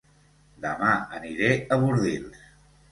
Dema aniré a Bordils